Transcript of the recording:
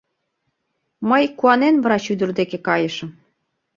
Мый, куанен, врач ӱдыр деке кайышым.